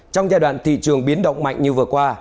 trong giai đoạn thị trường biến động mạnh như vừa qua